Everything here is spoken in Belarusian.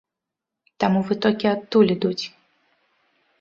Таму вытокі адтуль ідуць.